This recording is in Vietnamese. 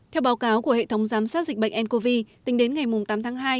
theo báo cáo của hệ thống giám sát dịch bệnh ncov tính đến ngày tám tháng hai